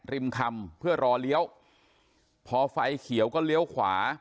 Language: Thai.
ริมคำเพื่อรอเลี้ยวพอไฟเขียวก็เลี้ยวขวา